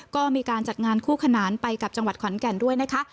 ก็มีการจัดงานคู่ขนานไปกับจังหวัดขอนแก่นด้วยนะคะ